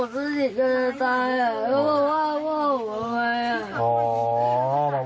ว่าผมสนิทกันจะตายว่าพ่อผมทำไม